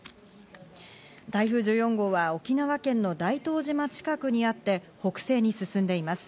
台風１４号は沖縄県の大東島近くにあって北西に進んでいます。